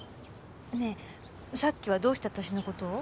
ねえさっきはどうして私の事を？